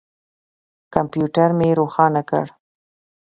کمپیوټر مې روښانه کړ.